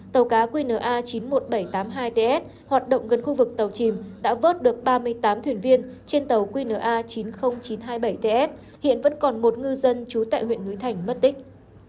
tàu cá qna chín mươi một nghìn bảy trăm tám mươi hai ts hoạt động gần khu vực tàu chìm đã vớt được ba mươi tám thuyền viên trên tàu qna chín mươi nghìn chín trăm hai mươi bảy ts hiện vẫn còn một ngư dân trú tại huyện núi thành mất tích